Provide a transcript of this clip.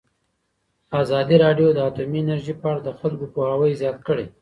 ازادي راډیو د اټومي انرژي په اړه د خلکو پوهاوی زیات کړی.